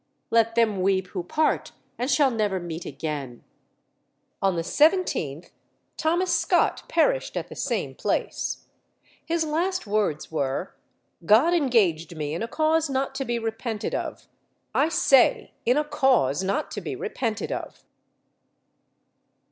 let them weep who part and shall never meet again." On the 17th, Thomas Scot perished at the same place. His last words were "God engaged me in a cause not to be repented of I say, in a cause not to be repented of."